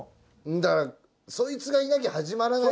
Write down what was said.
だからソイツがいなきゃ始まらない。